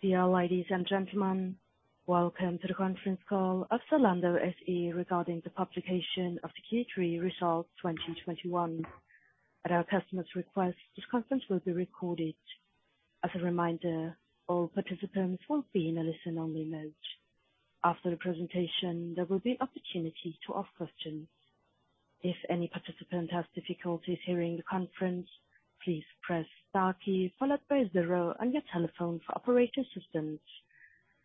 Dear ladies and gentlemen, welcome to the conference call of Zalando SE regarding the publication of the Q3 results 2021. At our customer's request, this conference will be recorded. As a reminder, all participants will be in a listen-only mode. After the presentation, there will be opportunity to ask questions. If any participant has difficulties hearing the conference, please press star key followed by zero on your telephone for operator assistance.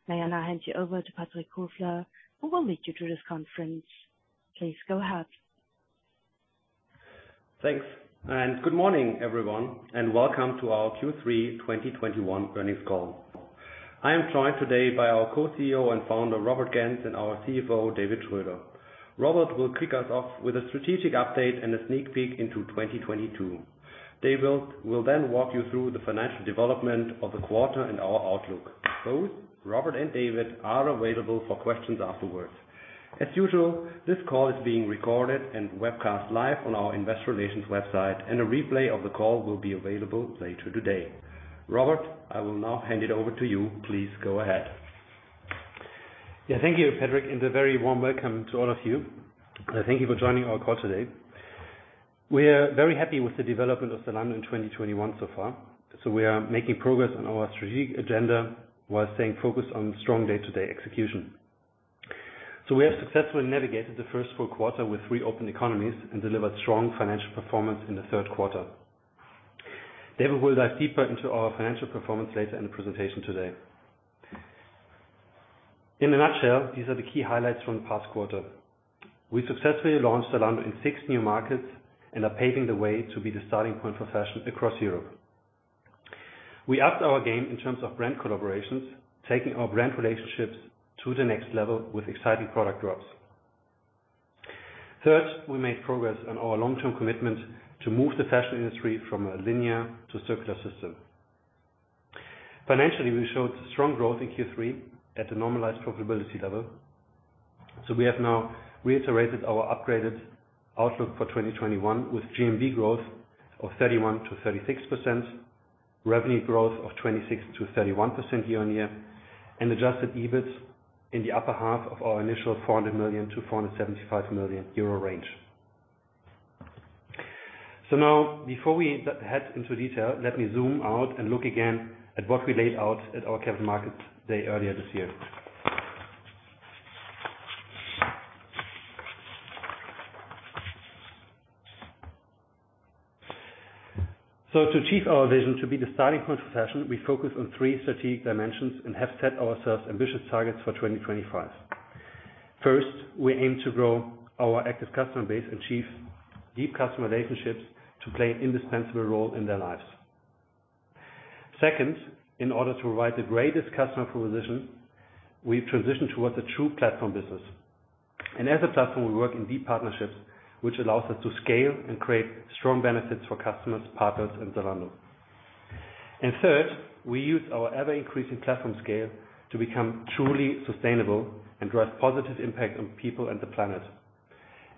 May I now hand you over to Patrick Kofler, who will lead you through this conference. Please go ahead. Thanks, and good morning, everyone, and welcome to our Q3 2021 earnings call. I am joined today by our Co-CEO and founder, Robert Gentz, and our CFO, David Schröder. Robert will kick us off with a strategic update and a sneak peek into 2022. David will then walk you through the financial development of the quarter and our outlook. Both Robert and David are available for questions afterwards. As usual, this call is being recorded and webcast live on our investor relations website, and a replay of the call will be available later today. Robert, I will now hand it over to you. Please go ahead. Yeah. Thank you, Patrick, and a very warm welcome to all of you. Thank you for joining our call today. We're very happy with the development of Zalando in 2021 so far. We are making progress on our strategic agenda while staying focused on strong day-to-day execution. We have successfully navigated the first full quarter with re-opened economies and delivered strong financial performance in the third quarter. David will dive deeper into our financial performance later in the presentation today. In a nutshell, these are the key highlights from the past quarter. We successfully launched Zalando in six new markets and are paving the way to be the starting point for fashion across Europe. We upped our game in terms of brand collaborations, taking our brand relationships to the next level with exciting product drops. Third, we made progress on our long-term commitment to move the fashion industry from a linear to circular system. Financially, we showed strong growth in Q3 at a normalized profitability level. We have now reiterated our upgraded outlook for 2021 with GMV growth of 31%-36%, revenue growth of 26%-31% year-on-year, and adjusted EBIT in the upper half of our initial 400 million-475 million euro range. Now, before we dive into detail, let me zoom out and look again at what we laid out at our Capital Markets Day earlier this year. To achieve our vision to be the starting point for fashion, we focus on three strategic dimensions and have set ourselves ambitious targets for 2025. First, we aim to grow our active customer base, achieve deep customer relationships to play an indispensable role in their lives. Second, in order to provide the greatest customer proposition, we transition towards a true platform business. As a platform, we work in deep partnerships, which allows us to scale and create strong benefits for customers, partners, and Zalando. Third, we use our ever-increasing platform scale to become truly sustainable and drive positive impact on people and the planet.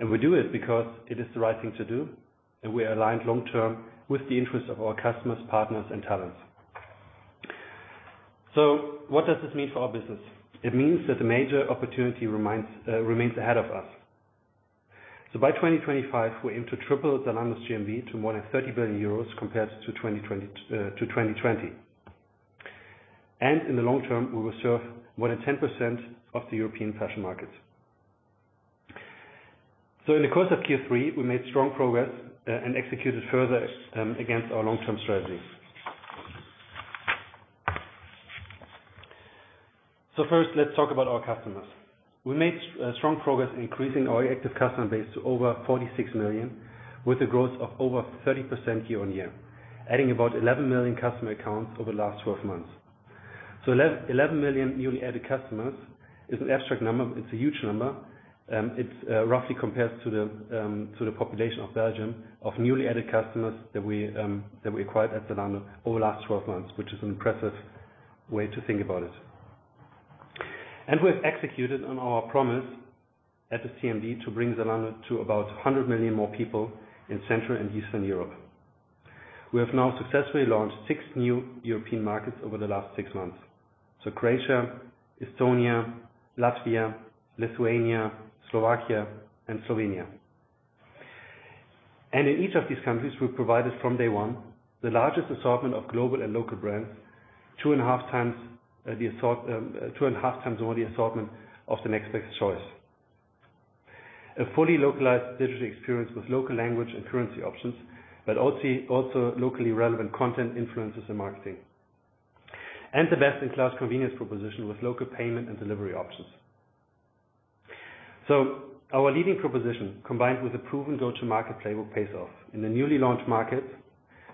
We do it because it is the right thing to do, and we are aligned long-term with the interests of our customers, partners, and talents. What does this mean for our business? It means that a major opportunity remains ahead of us. By 2025, we aim to triple Zalando's GMV to more than 30 billion euros compared to 2020. In the long term, we will serve more than 10% of the European fashion market. In the course of Q3, we made strong progress and executed further against our long-term strategy. First, let's talk about our customers. We made strong progress in increasing our active customer base to over 46 million, with a growth of over 30% year-on-year, adding about 11 million customer accounts over the last 12 months. 11 million newly added customers is an abstract number. It's a huge number. It's roughly comparable to the population of Belgium of newly added customers that we acquired at Zalando over the last 12 months, which is an impressive way to think about it. We've executed on our promise at the CMD to bring Zalando to about 100 million more people in Central and Eastern Europe. We have now successfully launched six new European markets over the last six months. Croatia, Estonia, Latvia, Lithuania, Slovakia, and Slovenia. In each of these countries, we've provided from day one the largest assortment of global and local brands, 2.5x over the assortment of the next best choice, a fully localized digital experience with local language and currency options, but also locally relevant content, influencers, and marketing. The best-in-class convenience proposition with local payment and delivery options. Our leading proposition, combined with a proven go-to-market playbook pays off. In the newly launched markets,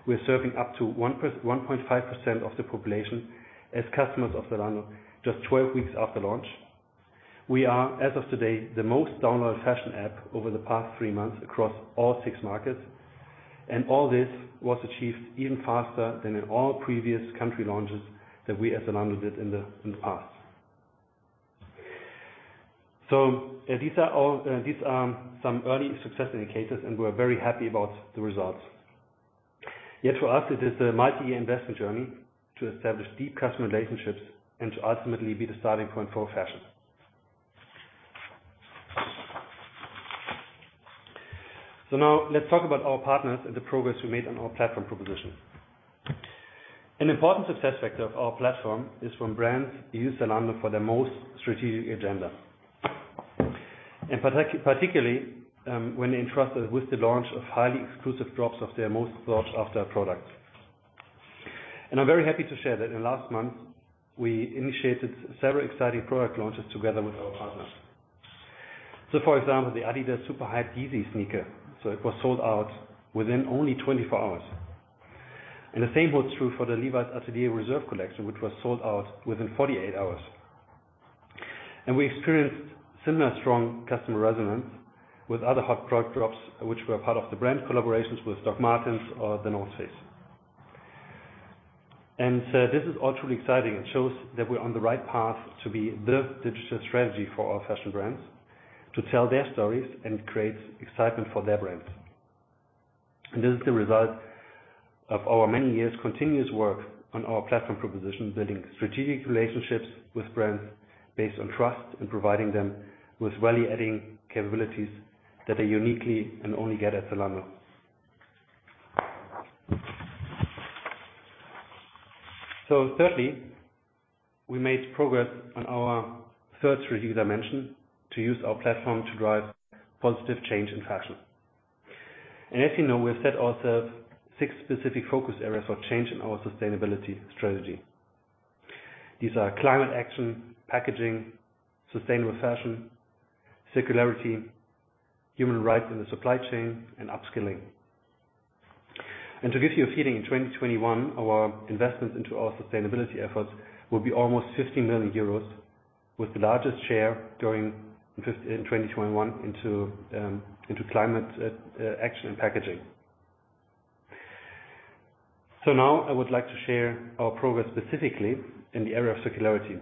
we're serving up to 1.5% of the population as customers of Zalando just 12 weeks after launch. We are, as of today, the most downloaded fashion app over the past three months across all six markets. All this was achieved even faster than in all previous country launches that we as Zalando did in the past. These are some early success indicators and we're very happy about the results. Yet for us, it is a multi-year investment journey to establish deep customer relationships and to ultimately be the starting point for fashion. Now let's talk about our partners and the progress we made on our platform proposition. An important success factor of our platform is when brands use Zalando for their most strategic agenda. Particularly, when they entrust us with the launch of highly exclusive drops of their most sought-after products. I'm very happy to share that in last month, we initiated several exciting product launches together with our partners. For example, the adidas Superhigh YEEZY sneaker. It was sold out within only 24 hours. The same holds true for the Levi's Atelier & Réservé collection, which was sold out within 48 hours. We experienced similar strong customer resonance with other hot product drops, which were part of the brand collaborations with Dr. Martens or The North Face. This is all truly exciting. It shows that we're on the right path to be the digital strategy for our fashion brands to tell their stories and create excitement for their brands. This is the result of our many years continuous work on our platform proposition, building strategic relationships with brands based on trust and providing them with value-adding capabilities that they uniquely and only get at Zalando. Thirdly, we made progress on our third strategic dimension to use our platform to drive positive change in fashion. As you know, we have set ourselves six specific focus areas for change in our sustainability strategy. These are climate action, packaging, sustainable fashion, circularity, human rights in the supply chain, and upskilling. To give you a feeling, in 2021, our investments into our sustainability efforts will be almost 50 million euros, with the largest share going in 2021 into climate action and packaging. Now I would like to share our progress specifically in the area of circularity.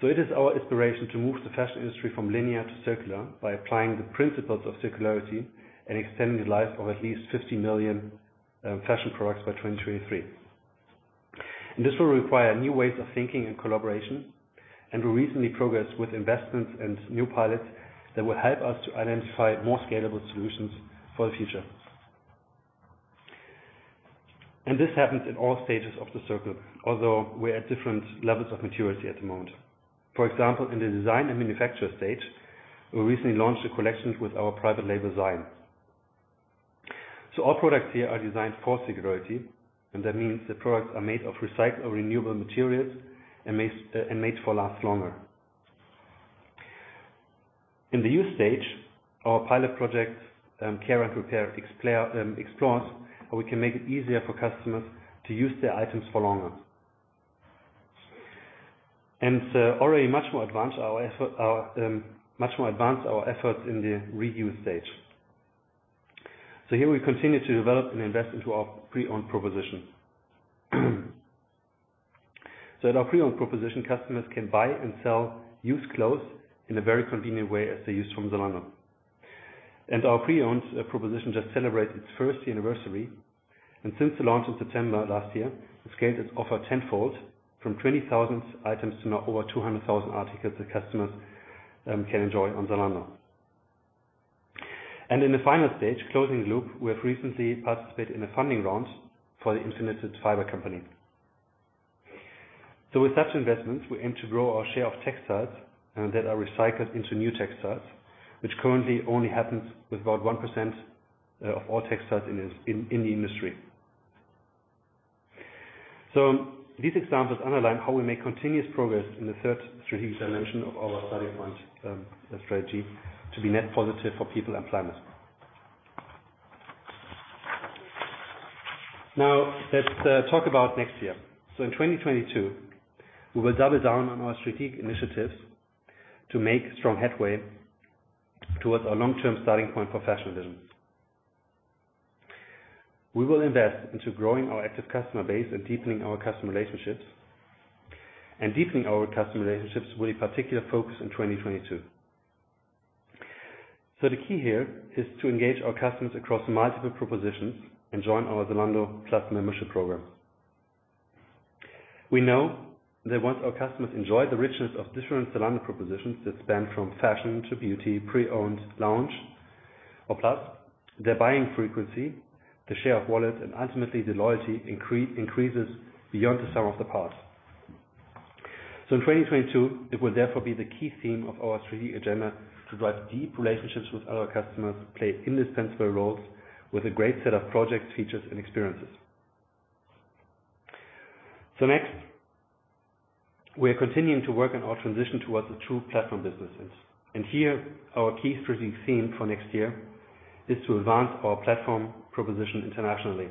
It is our aspiration to move the fashion industry from linear to circular by applying the principles of circularity and extending the life of at least 50 million fashion products by 2023. This will require new ways of thinking and collaboration. We recently progressed with investments and new pilots that will help us to identify more scalable solutions for the future. This happens in all stages of the circle, although we're at different levels of maturity at the moment. For example, in the design and manufacture stage, we recently launched a collection with our private label, ZIGN. All products here are designed for circularity, and that means the products are made of recycled renewable materials and made for last longer. In the use stage, our pilot project, Care and Repair, explores how we can make it easier for customers to use their items for longer. Already much more advanced our efforts in the reuse stage. Here we continue to develop and invest into our pre-owned proposition. At our pre-owned proposition, customers can buy and sell used clothes in a very convenient way, as they're used from Zalando. Our pre-owned proposition just celebrated its first anniversary. Since the launch in September last year, it scaled its offer tenfold from 20,000 items to now over 200,000 articles that customers can enjoy on Zalando. In the final stage, closing loop, we have recently participated in a funding round for the Infinited Fiber Company. With such investments, we aim to grow our share of textiles that are recycled into new textiles, which currently only happens with about 1% of all textiles in this industry. These examples underline how we make continuous progress in the third strategic dimension of our Starting Point strategy to be net positive for people and planet. Now, let's talk about next year. In 2022, we will double down on our strategic initiatives to make strong headway towards our long-term Starting Point for Fashion vision. We will invest into growing our active customer base and deepening our customer relationships. Deepening our customer relationships will be particular focus in 2022. The key here is to engage our customers across multiple propositions and join our Zalando Plus membership program. We know that once our customers enjoy the richness of different Zalando propositions that span from fashion to beauty, pre-owned, Lounge or Plus, their buying frequency, the share of wallet, and ultimately the loyalty increases beyond the sum of the parts. In 2022, it will therefore be the key theme of our strategy agenda to drive deep relationships with our customers, play indispensable roles with a great set of projects, features, and experiences. Next, we are continuing to work on our transition towards a true platform businesses. Here our key strategic theme for next year is to advance our platform proposition internationally.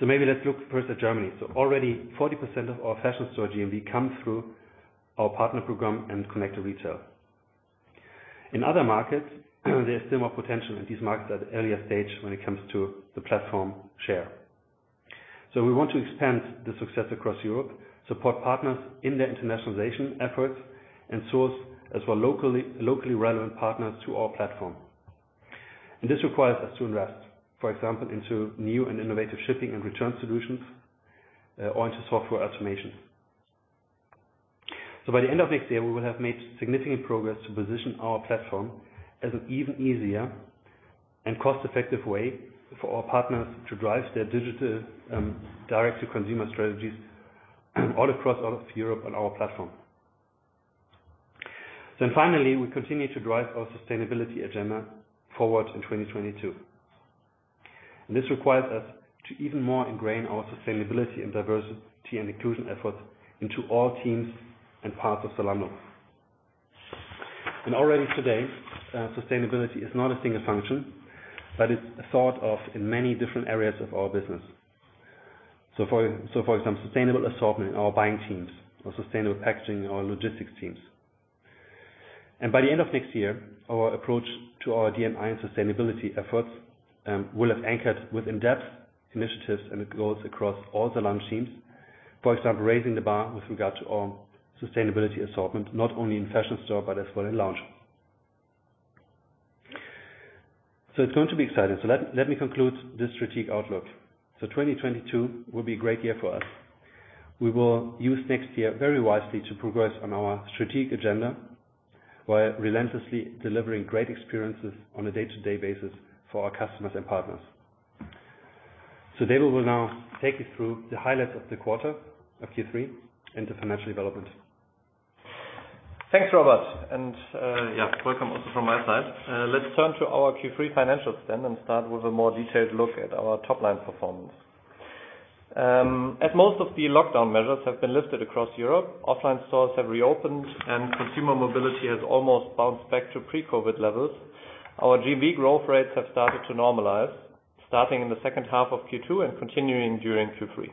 Maybe let's look first at Germany. Already 40% of our fashion store GMV come through our Partner Program and Connected Retail. In other markets, there's still more potential in these markets at the earlier stage when it comes to the platform share. We want to expand the success across Europe, support partners in their internationalization efforts, and source as well locally relevant partners to our platform. This requires us to invest, for example, into new and innovative shipping and return solutions, or into software automation. By the end of next year, we will have made significant progress to position our platform as an even easier and cost-effective way for our partners to drive their digital direct-to-consumer strategies all across all of Europe on our platform. Finally, we continue to drive our sustainability agenda forward in 2022. This requires us to even more ingrain our sustainability and diversity and inclusion efforts into all teams and parts of Zalando. Already today, sustainability is not a single function, but it's thought of in many different areas of our business. For example, sustainable assortment in our buying teams or sustainable packaging in our logistics teams. By the end of next year, our approach to our D&I and sustainability efforts will have anchored with in-depth initiatives, and it goes across all Zalando teams. For example, raising the bar with regard to our sustainability assortment, not only in fashion store but as well in Lounge. It's going to be exciting. Let me conclude this strategic outlook. 2022 will be a great year for us. We will use next year very wisely to progress on our strategic agenda while relentlessly delivering great experiences on a day-to-day basis for our customers and partners. David will now take you through the highlights of the quarter of Q3 and the financial development. Thanks, Robert. Yeah, welcome also from my side. Let's turn to our Q3 financials then and start with a more detailed look at our top-line performance. As most of the lockdown measures have been lifted across Europe, offline stores have reopened and consumer mobility has almost bounced back to pre-COVID levels. Our GMV growth rates have started to normalize, starting in the second half of Q2 and continuing during Q3,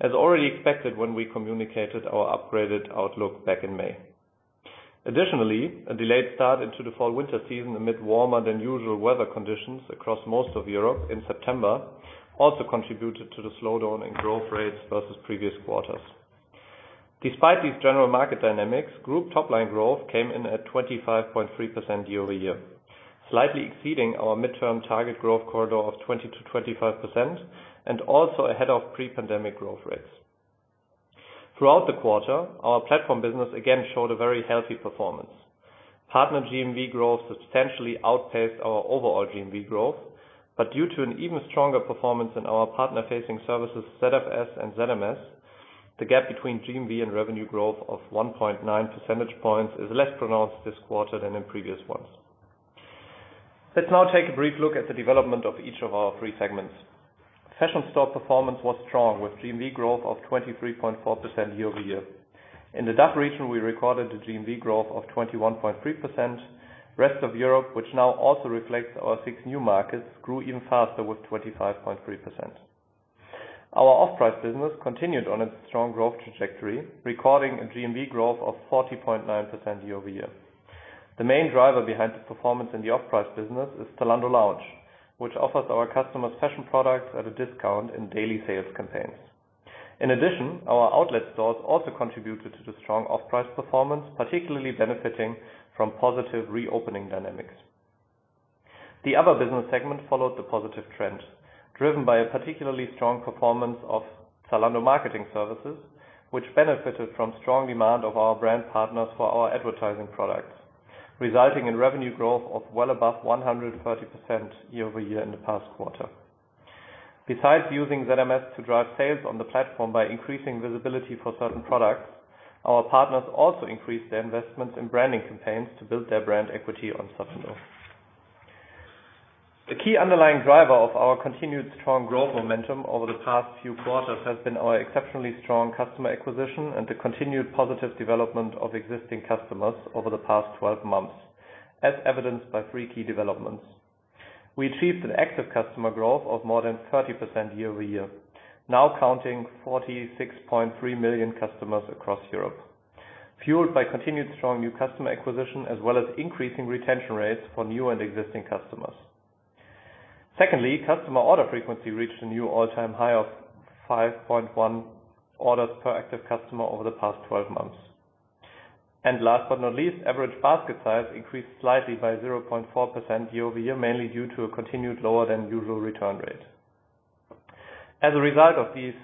as already expected when we communicated our upgraded outlook back in May. Additionally, a delayed start into the fall/winter season amid warmer than usual weather conditions across most of Europe in September also contributed to the slowdown in growth rates versus previous quarters. Despite these general market dynamics, group top-line growth came in at 25.3% year-over-year, slightly exceeding our midterm target growth corridor of 20%-25%, and also ahead of pre-pandemic growth rates. Throughout the quarter, our platform business again showed a very healthy performance. Partner GMV growth substantially outpaced our overall GMV growth, but due to an even stronger performance in our partner-facing services, ZFS and ZMS, the gap between GMV and revenue growth of 1.9 percentage points is less pronounced this quarter than in previous ones. Let's now take a brief look at the development of each of our three segments. Fashion store performance was strong with GMV growth of 23.4% year-over-year. In the DACH region, we recorded a GMV growth of 21.3%. Rest of Europe, which now also reflects our six new markets, grew even faster with 25.3%. Our off-price business continued on its strong growth trajectory, recording a GMV growth of 40.9% year-over-year. The main driver behind the performance in the off-price business is Zalando Lounge, which offers our customers fashion products at a discount in daily sales campaigns. In addition, our outlet stores also contributed to the strong off-price performance, particularly benefiting from positive reopening dynamics. The other business segment followed the positive trend, driven by a particularly strong performance of Zalando Marketing Services, which benefited from strong demand of our brand partners for our advertising products, resulting in revenue growth of well above 130% year-over-year in the past quarter. Besides using ZMS to drive sales on the platform by increasing visibility for certain products, our partners also increased their investments in branding campaigns to build their brand equity on Zalando. The key underlying driver of our continued strong growth momentum over the past few quarters has been our exceptionally strong customer acquisition and the continued positive development of existing customers over the past 12 months, as evidenced by three key developments. We achieved an active customer growth of more than 30% year-over-year. Now counting 46.3 million customers across Europe, fueled by continued strong new customer acquisition, as well as increasing retention rates for new and existing customers. Secondly, customer order frequency reached a new all-time high of 5.1 orders per active customer over the past 12 months. Last but not least, average basket size increased slightly by 0.4% year-over-year, mainly due to a continued lower than usual return rate. As a result of these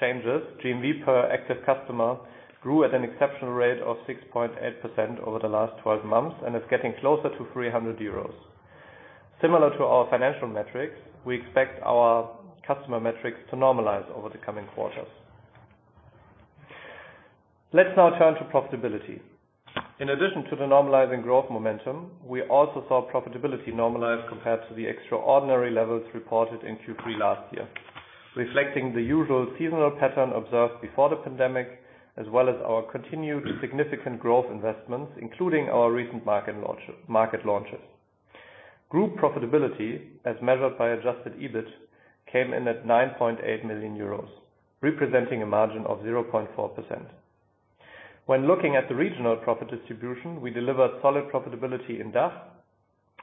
changes, GMV per active customer grew at an exceptional rate of 6.8% over the last 12 months and is getting closer to 300 euros. Similar to our financial metrics, we expect our customer metrics to normalize over the coming quarters. Let's now turn to profitability. In addition to the normalizing growth momentum, we also saw profitability normalize compared to the extraordinary levels reported in Q3 last year, reflecting the usual seasonal pattern observed before the pandemic, as well as our continued significant growth investments, including our recent market launch, market launches. Group profitability as measured by adjusted EBIT came in at 9.8 million euros, representing a margin of 0.4%. When looking at the regional profit distribution, we delivered solid profitability in DACH,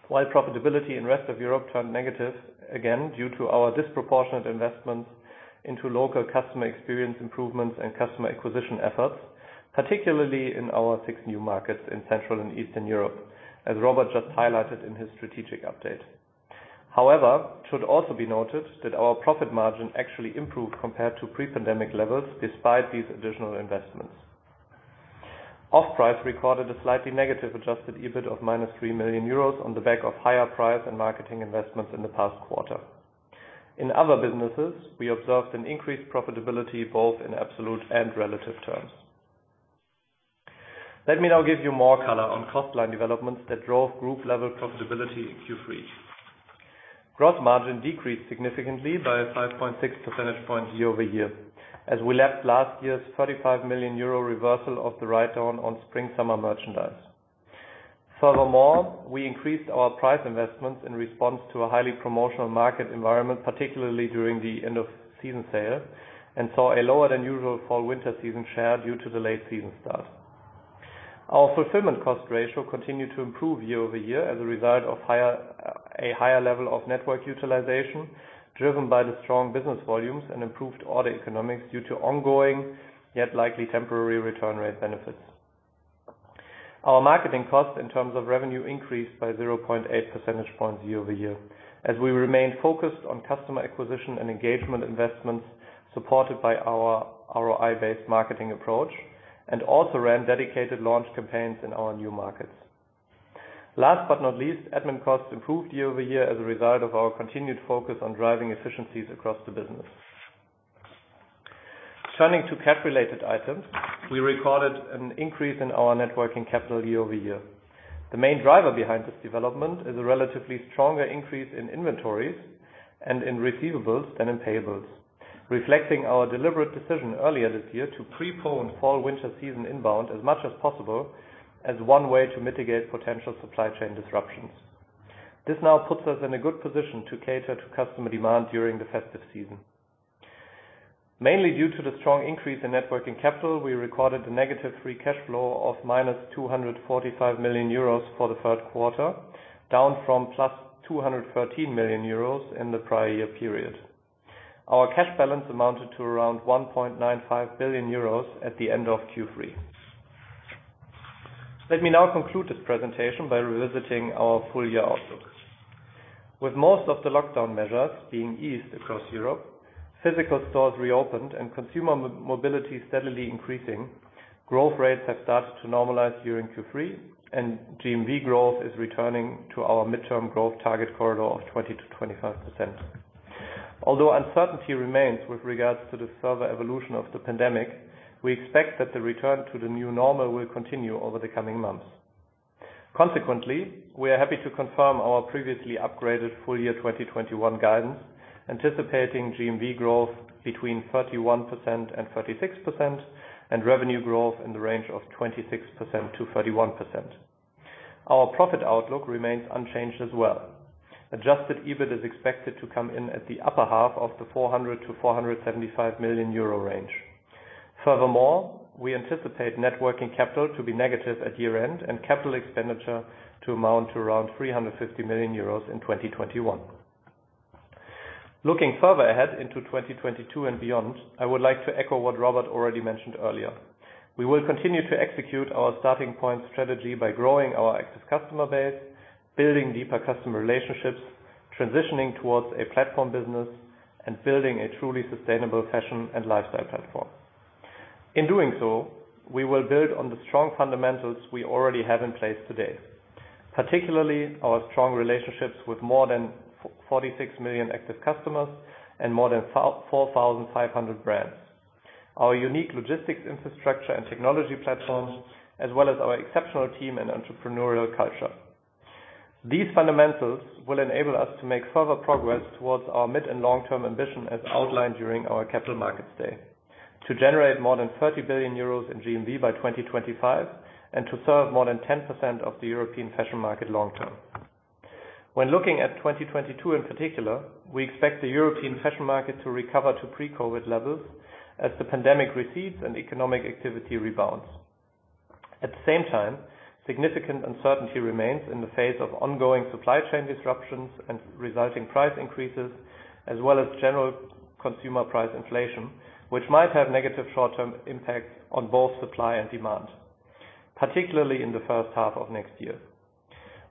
while profitability in rest of Europe turned negative again due to our disproportionate investments into local customer experience improvements and customer acquisition efforts, particularly in our six new markets in Central and Eastern Europe, as Robert just highlighted in his strategic update. However, it should also be noted that our profit margin actually improved compared to pre-pandemic levels despite these additional investments. Off-price recorded a slightly negative adjusted EBIT of -3 million euros on the back of higher price and marketing investments in the past quarter. In other businesses, we observed an increased profitability both in absolute and relative terms. Let me now give you more color on cost line developments that drove group-level profitability in Q3. Gross margin decreased significantly by 5.6 percentage points year-over-year as we lapped last year's 35 million euro reversal of the write-down on spring/summer merchandise. Furthermore, we increased our price investments in response to a highly promotional market environment, particularly during the end-of-season sale, and saw a lower than usual fall/winter season share due to the late season start. Our fulfillment cost ratio continued to improve year-over-year as a result of higher, a higher level of network utilization driven by the strong business volumes and improved order economics due to ongoing, yet likely temporary return rate benefits. Our marketing costs in terms of revenue increased by 0.8 percentage points year-over-year, as we remained focused on customer acquisition and engagement investments supported by our ROI-based marketing approach, and also ran dedicated launch campaigns in our new markets. Last but not least, admin costs improved year-over-year as a result of our continued focus on driving efficiencies across the business. Turning to CapEx-related items, we recorded an increase in our net working capital year-over-year. The main driver behind this development is a relatively stronger increase in inventories and in receivables than in payables, reflecting our deliberate decision earlier this year to pre-pull in fall/winter season inbound as much as possible as one way to mitigate potential supply chain disruptions. This now puts us in a good position to cater to customer demand during the festive season. Mainly due to the strong increase in net working capital, we recorded a negative free cash flow of -245 million euros for the third quarter, down from +213 million euros in the prior year period. Our cash balance amounted to around 1.95 billion euros at the end of Q3. Let me now conclude this presentation by revisiting our full-year outlook. With most of the lockdown measures being eased across Europe, physical stores reopened and consumer mobility steadily increasing, growth rates have started to normalize during Q3, and GMV growth is returning to our midterm growth target corridor of 20%-25%. Although uncertainty remains with regards to the further evolution of the pandemic, we expect that the return to the new normal will continue over the coming months. Consequently, we are happy to confirm our previously upgraded full-year 2021 guidance, anticipating GMV growth between 31% and 36% and revenue growth in the range of 26%-31%. Our profit outlook remains unchanged as well. Adjusted EBIT is expected to come in at the upper half of the 400 million-475 million euro range. Furthermore, we anticipate net working capital to be negative at year-end and capital expenditure to amount to around 350 million euros in 2021. Looking further ahead into 2022 and beyond, I would like to echo what Robert already mentioned earlier. We will continue to execute our starting point strategy by growing our active customer base, building deeper customer relationships, transitioning towards a platform business, and building a truly sustainable fashion and lifestyle platform. In doing so, we will build on the strong fundamentals we already have in place today, particularly our strong relationships with more than 46 million active customers and more than 4,500 brands. Our unique logistics infrastructure and technology platforms, as well as our exceptional team and entrepreneurial culture. These fundamentals will enable us to make further progress towards our mid and long-term ambition as outlined during our Capital Markets Day to generate more than 30 billion euros in GMV by 2025 and to serve more than 10% of the European fashion market long term. When looking at 2022 in particular, we expect the European fashion market to recover to pre-COVID levels as the pandemic recedes and economic activity rebounds. At the same time, significant uncertainty remains in the face of ongoing supply chain disruptions and resulting price increases, as well as general consumer price inflation, which might have negative short-term impacts on both supply and demand, particularly in the first half of next year.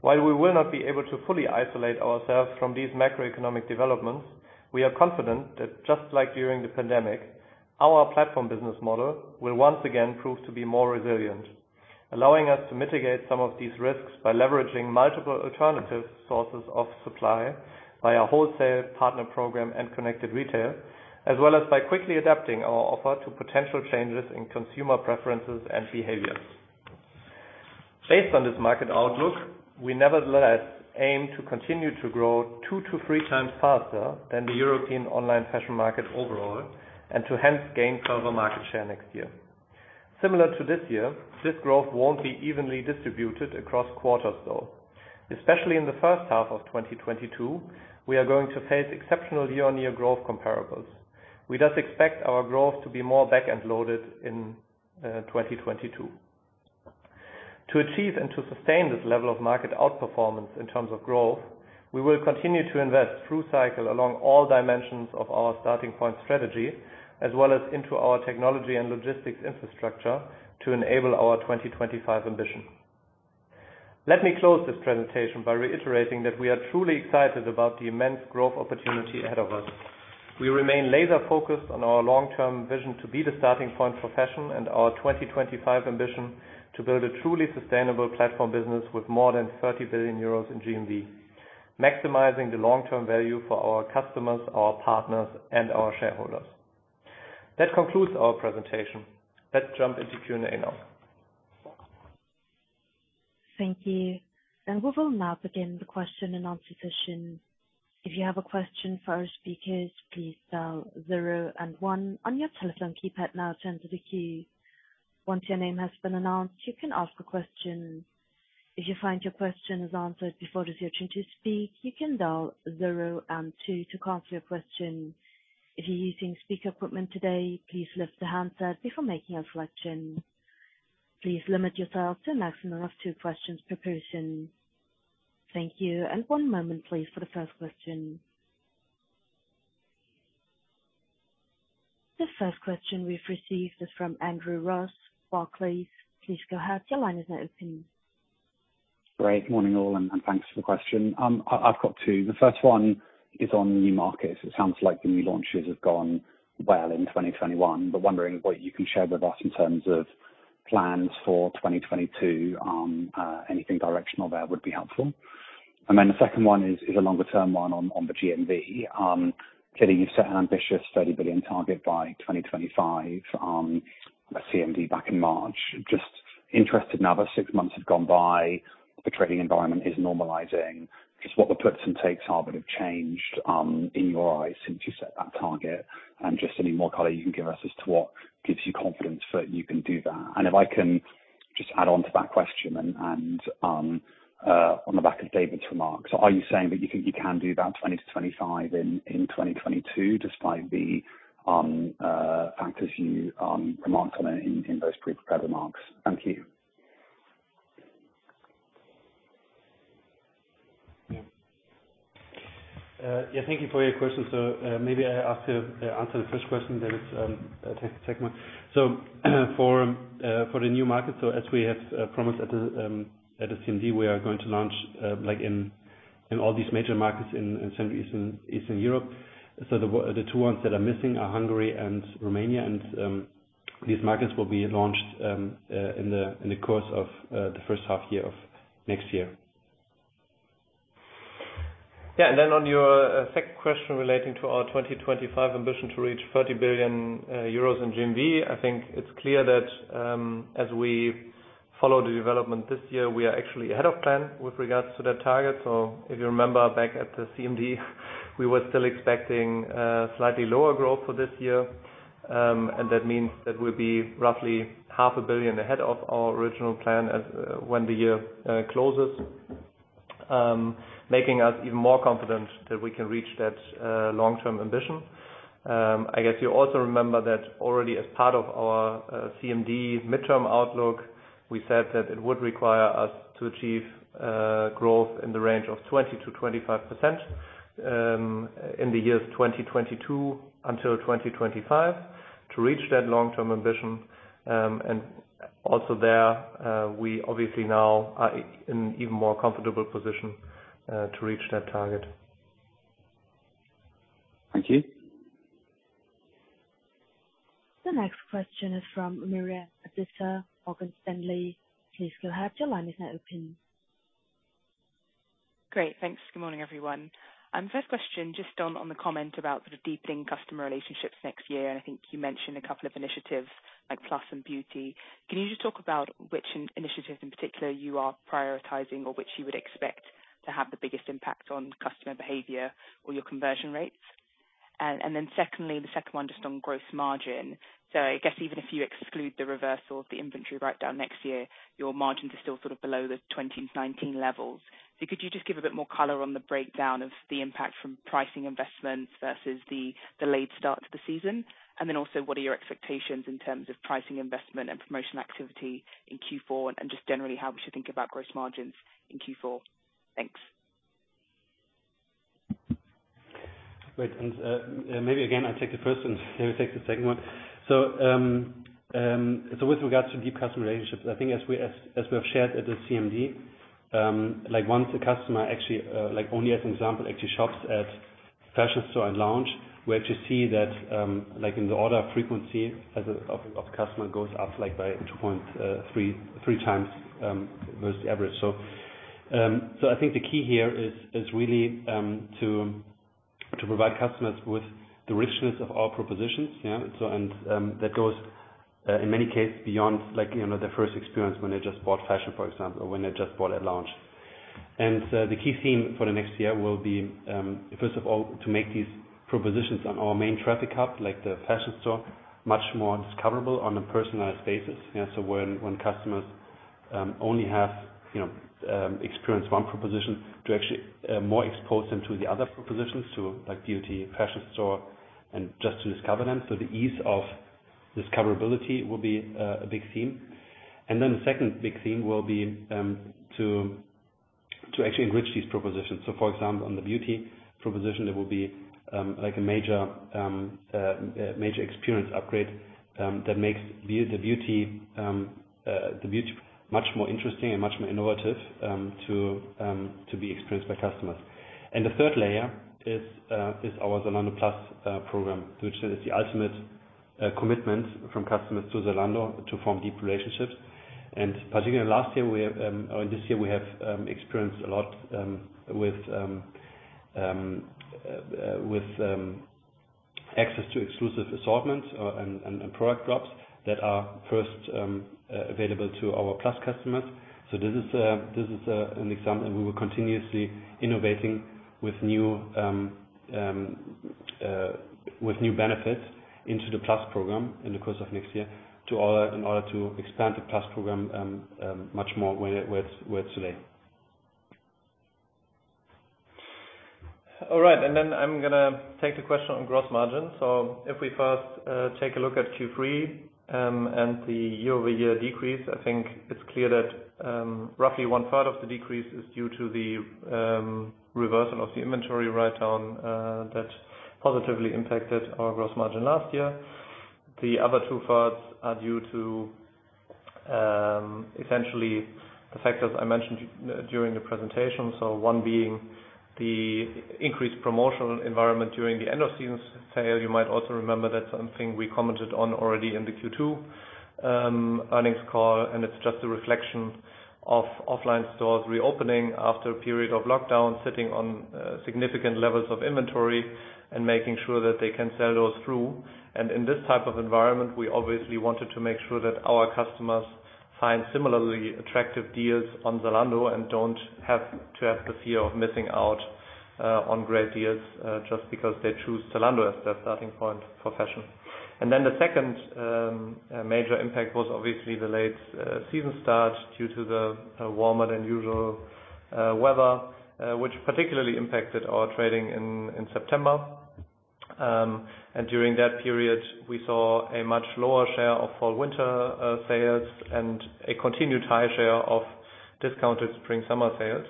While we will not be able to fully isolate ourselves from these macroeconomic developments, we are confident that just like during the pandemic, our platform business model will once again prove to be more resilient, allowing us to mitigate some of these risks by leveraging multiple alternative sources of supply via wholesale Partner Program and Connected Retail, as well as by quickly adapting our offer to potential changes in consumer preferences and behaviors. Based on this market outlook, we nevertheless aim to continue to grow 2-3 times faster than the European online fashion market overall and to hence gain further market share next year. Similar to this year, this growth won't be evenly distributed across quarters, though. Especially in the first half of 2022, we are going to face exceptional year-on-year growth comparables. We thus expect our growth to be more back-end loaded in 2022. To achieve and to sustain this level of market outperformance in terms of growth, we will continue to invest through cycle along all dimensions of our Starting Point strategy, as well as into our technology and logistics infrastructure to enable our 2025 ambition. Let me close this presentation by reiterating that we are truly excited about the immense growth opportunity ahead of us. We remain laser focused on our long-term vision to be the starting point for fashion and our 2025 ambition to build a truly sustainable platform business with more than 30 billion euros in GMV, maximizing the long-term value for our customers, our partners, and our shareholders. That concludes our presentation. Let's jump into Q&A now. Thank you. We will now begin the question and answer session. If you have a question for our speakers, please dial zero and one on your telephone keypad now to enter the queue. Once your name has been announced, you can ask a question. If you find your question is answered before it is your turn to speak, you can dial zero and two to cancel your question. If you're using speaker equipment today, please lift the handset before making a selection. Please limit yourself to a maximum of two questions per person. Thank you. One moment, please, for the first question. The first question we've received is from Andrew Ross, Barclays. Please go ahead. Your line is now open. Good morning, all, and thanks for the question. I've got two. The first one is on new markets. It sounds like the new launches have gone well in 2021, but wondering what you can share with us in terms of plans for 2022. Anything directional there would be helpful. The second one is a longer term one on the GMV. Clearly you've set an ambitious 30 billion target by 2025 at CMD back in March. Just interested now that six months have gone by, the trading environment is normalizing, just what the puts and takes are that have changed in your eyes since you set that target. Just any more color you can give us as to what gives you confidence that you can do that. If I can just add on to that question and on the back of David's remarks, are you saying that you can do that 20-25 in 2022 despite the factors you remarked on in those pre-prepared remarks? Thank you. Yeah. Yeah, thank you for your question. Maybe I have to answer the first question, then it's take one. For the new market, as we have promised at the CMD, we are going to launch like in all these major markets in Central and Eastern Europe. The two ones that are missing are Hungary and Romania, and these markets will be launched in the course of the first half year of next year. Yeah. Then on your second question relating to our 2025 ambition to reach 30 billion euros in GMV, I think it's clear that as we follow the development this year, we are actually ahead of plan with regards to that target. If you remember back at the CMD, we were still expecting slightly lower growth for this year. That means that we'll be roughly half a billion EUR ahead of our original plan as when the year closes, making us even more confident that we can reach that long-term ambition. I guess you also remember that already as part of our CMD midterm outlook, we said that it would require us to achieve growth in the range of 20%-25% in the years 2022 until 2025 to reach that long-term ambition. Also there, we obviously now are in even more comfortable position to reach that target. Thank you. The next question is from Miriam Josiah, Morgan Stanley. Please go ahead. Your line is now open. Great. Thanks. Good morning, everyone. First question, just on the comment about sort of deepening customer relationships next year. I think you mentioned a couple of initiatives like Plus and Beauty. Can you just talk about which initiative in particular you are prioritizing or which you would expect to have the biggest impact on customer behavior or your conversion rates? Secondly, the second one just on gross margin. I guess even if you exclude the reversal of the inventory write-down next year, your margins are still sort of below the 2019 levels. Could you just give a bit more color on the breakdown of the impact from pricing investments versus the late start to the season? Also, what are your expectations in terms of pricing investment and promotion activity in Q4? Just generally, how we should think about gross margins in Q4? Thanks. Great. Maybe again, I'll take the first one, maybe take the second one. With regards to deep customer relationships, I think as we have shared at the CMD, like once a customer actually, like only as an example, actually shops at Fashion Store and Lounge, we actually see that, like in the order frequency of customer goes up like by 2.3x, versus the average. I think the key here is really to provide customers with the richness of our propositions. Yeah. That goes, in many cases beyond like, you know, their first experience when they just bought fashion, for example, or when they just bought at Lounge. The key theme for the next year will be, first of all, to make these propositions on our main traffic hub, like the fashion store, much more discoverable on a personalized basis. You know, when customers only have, you know, experience one proposition to actually more expose them to the other propositions to like beauty, fashion store, and just to discover them. The ease of discoverability will be a big theme. The second big theme will be to actually enrich these propositions. For example, on the beauty proposition, there will be like a major experience upgrade that makes the beauty the beauty much more interesting and much more innovative to be experienced by customers. The third layer is our Zalando Plus program, which is the ultimate commitment from customers to Zalando to form deep relationships. Particularly this year we have experienced a lot with access to exclusive assortment and product drops that are first available to our Plus customers. This is an example, and we will continuously innovating with new benefits into the Plus program in the course of next year in order to expand the Plus program much more where it is today. All right, I'm gonna take the question on gross margin. If we first take a look at Q3 and the year-over-year decrease, I think it's clear that roughly one part of the decrease is due to the reversal of the inventory write-down that positively impacted our gross margin last year. The other two parts are due to essentially the factors I mentioned during the presentation, one being the increased promotional environment during the end of season sale. You might also remember that's something we commented on already in the Q2 earnings call, and it's just a reflection of offline stores reopening after a period of lockdown, sitting on significant levels of inventory and making sure that they can sell those through. In this type of environment, we obviously wanted to make sure that our customers find similarly attractive deals on Zalando and don't have to have the fear of missing out on great deals just because they choose Zalando as their starting point for fashion. The second major impact was obviously the late season start due to the warmer than usual weather which particularly impacted our trading in September. During that period, we saw a much lower share of fall/winter sales and a continued high share of discounted spring/summer sales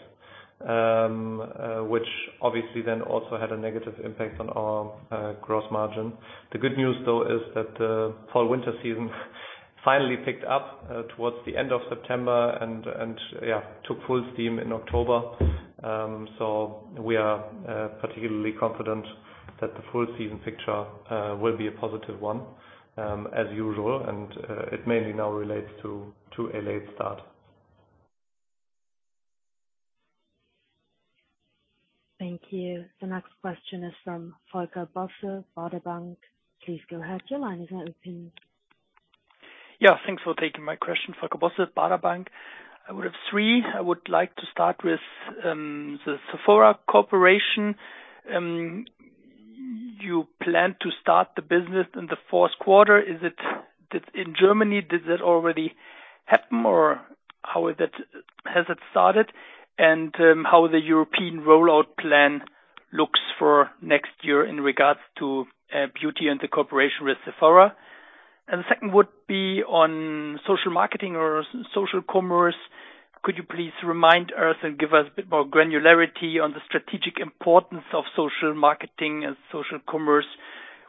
which obviously then also had a negative impact on our gross margin. The good news though is that the fall/winter season finally picked up towards the end of September and took full steam in October. We are particularly confident that the full season picture will be a positive one, as usual. It mainly now relates to a late start. Thank you. The next question is from Volker Bosse, Baader Bank. Please go ahead. Your line is open. Yeah, thanks for taking my question. Volker Bosse, Baader Bank. I would have three. I would like to start with the Sephora Corporation. You plan to start the business in the fourth quarter. In Germany, does that already happen, or how has it started? And how the European rollout plan looks for next year in regards to beauty and the cooperation with Sephora. And the second would be on social marketing or social commerce. Could you please remind us and give us a bit more granularity on the strategic importance of social marketing and social commerce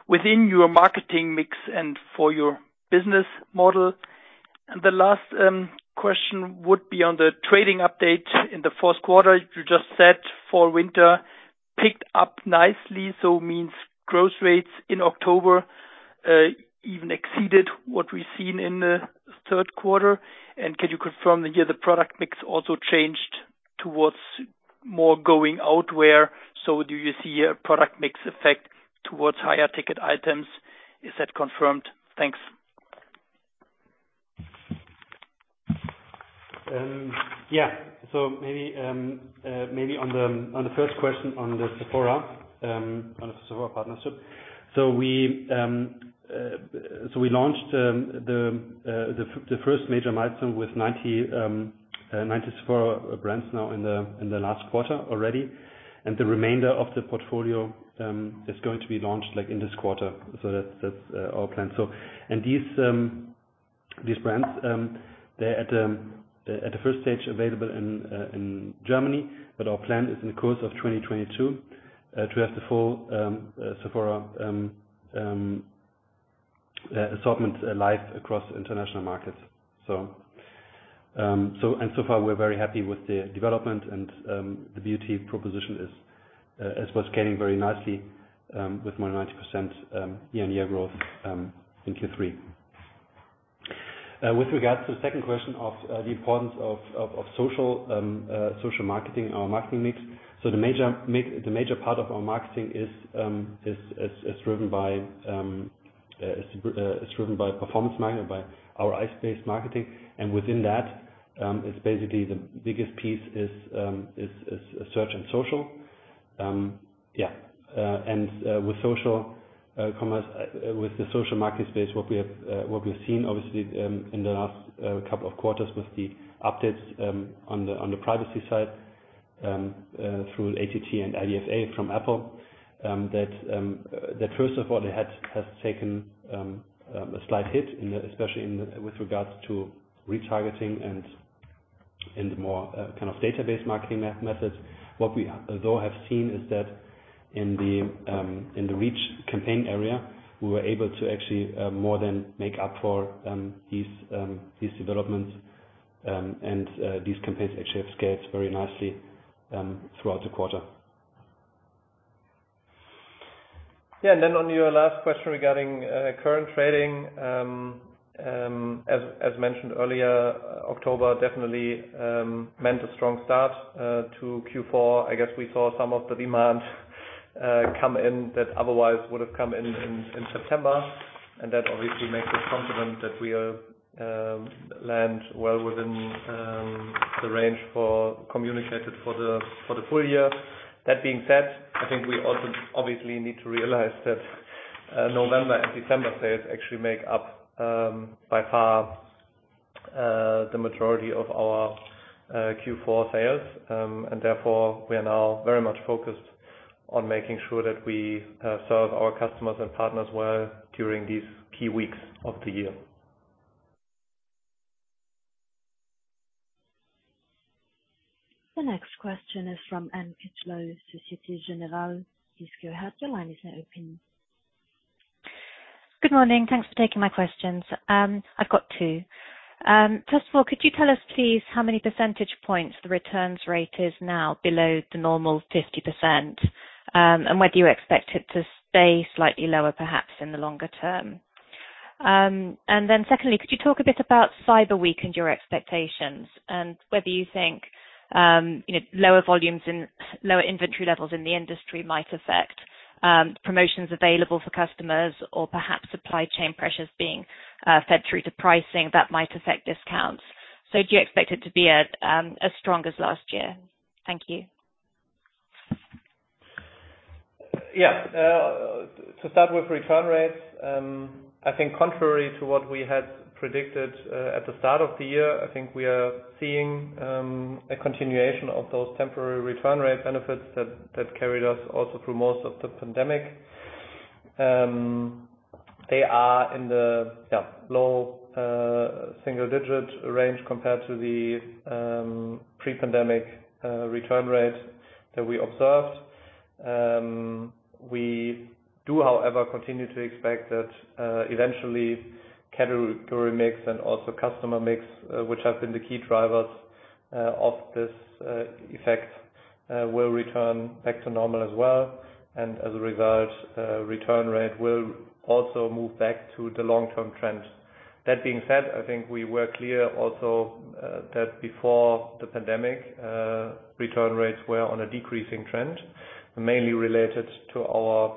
within your marketing mix and for your business model? And the last question would be on the trading update in the fourth quarter. You just said fall/winter picked up nicely, so that means growth rates in October even exceeded what we've seen in the third quarter. Can you confirm that, yeah, the product mix also changed towards more going-out wear? Do you see a product mix effect towards higher-ticket items? Is that confirmed? Thanks. Yeah. Maybe on the first question on the Sephora partnership. We launched the first major milestone with 90 Sephora brands now in the last quarter already. The remainder of the portfolio is going to be launched, like, in this quarter. That's our plan. These brands, they're at the first stage available in Germany, but our plan is in the course of 2022 to have the full Sephora assortment live across international markets. So far, we're very happy with the development and the beauty proposition was scaling very nicely with more than 90% year-on-year growth in Q3. With regards to the second question of the importance of social marketing, our marketing mix. The major part of our marketing is driven by- -It is driven by performance marketing, by our ad-based marketing. Within that, basically the biggest piece is search and social. With social commerce, with the social marketing space, what we've seen obviously in the last couple of quarters with the updates on the privacy side through ATT and IDFA from Apple, that first of all, it has taken a slight hit, especially with regards to retargeting and more kind of database marketing methods. What we, though, have seen is that in the reach campaign area, we were able to actually more than make up for these developments. These campaigns actually have scaled very nicely throughout the quarter. Yeah. Then on your last question regarding current trading, as mentioned earlier, October definitely meant a strong start to Q4. I guess we saw some of the demand come in that otherwise would've come in in September. That obviously makes us confident that we are landing well within the range we communicated for the full year. That being said, I think we also obviously need to realize that November and December sales actually make up by far the majority of our Q4 sales. Therefore we are now very much focused on making sure that we serve our customers and partners well during these key weeks of the year. The next question is from Anne Critchlow, Société Générale. Please go ahead. Your line is now open. Good morning. Thanks for taking my questions. I've got two. First of all, could you tell us please, how many percentage points the returns rate is now below the normal 50%, and whether you expect it to stay slightly lower perhaps in the longer term? And then secondly, could you talk a bit about Cyber Week and your expectations and whether you think, you know, lower volumes and lower inventory levels in the industry might affect, promotions available for customers or perhaps supply chain pressures being, fed through to pricing that might affect discounts? Do you expect it to be at, as strong as last year? Thank you. To start with return rates, I think contrary to what we had predicted at the start of the year, I think we are seeing a continuation of those temporary return rate benefits that carried us also through most of the pandemic. They are in the low single digit range compared to the pre-pandemic return rate that we observed. We do, however, continue to expect that eventually category mix and also customer mix, which have been the key drivers of this effect, will return back to normal as well. As a result, return rate will also move back to the long-term trend. That being said, I think we were clear also that before the pandemic return rates were on a decreasing trend, mainly related to our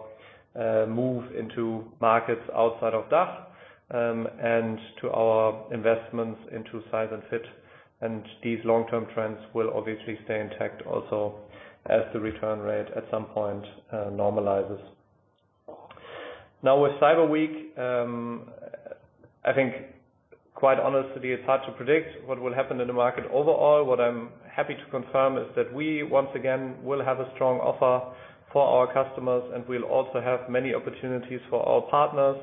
move into markets outside of DACH and to our investments into size and fit. These long-term trends will obviously stay intact also as the return rate at some point normalizes. Now with Cyber Week, I think quite honestly, it's hard to predict what will happen in the market overall. What I'm happy to confirm is that we, once again, will have a strong offer for our customers, and we'll also have many opportunities for our partners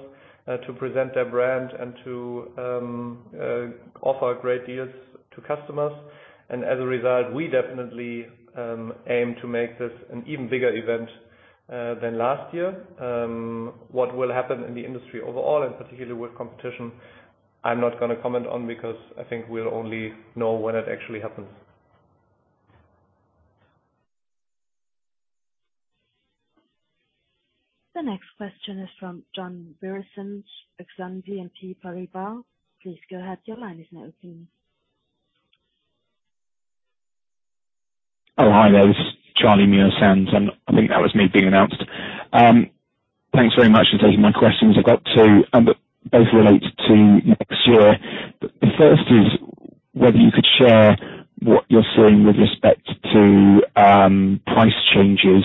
to present their brand and to offer great deals to customers. As a result, we definitely aim to make this an even bigger event than last year. What will happen in the industry overall and particularly with competition, I'm not gonna comment on because I think we'll only know when it actually happens. The next question is from Charlie Sheridan, Exane BNP Paribas. Please go ahead. Your line is now open. Oh, hi there. This is Charlie Sheridan. I think that was me being announced. Thanks very much for taking my questions. I've got two that both relate to next year. The first is whether you could share what you're seeing with respect to price changes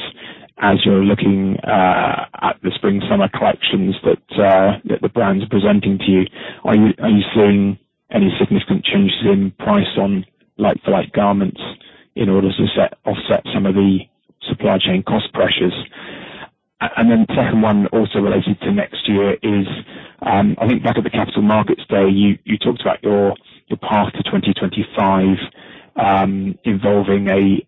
as you're looking at the spring/summer collections that the brands are presenting to you. Are you seeing any significant changes in price on like-for-like garments in order to offset some of the supply chain cost pressures? Then second one also related to next year is, I think back at the Capital Markets Day, you talked about your path to 2025, involving a